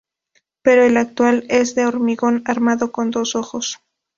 Pero el actual es de hormigón armado con dos ojos.